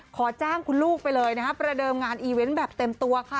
ขอจ้างคุณลูกไปเลยนะคะประเดิมงานอีเวนต์แบบเต็มตัวค่ะ